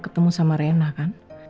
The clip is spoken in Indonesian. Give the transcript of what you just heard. ketemu sama rena kan